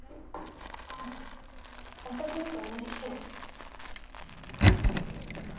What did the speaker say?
あぁ私のと同じ機種です。